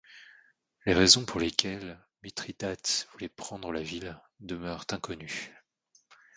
Les raisons pour lesquelles Mithridate voulait prendre la ville demeurent inconnues.